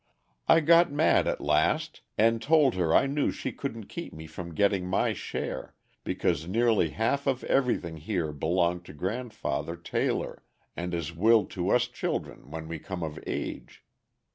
I got mad at last and told her I knew she couldn't keep me from getting my share, because nearly half of everything here belonged to Grandfather Taylor and is willed to us children when we come of age.